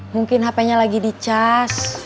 mungkin hapenya lagi di cas